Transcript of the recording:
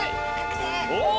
お！